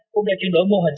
cũng đã chuyển đổi mô hình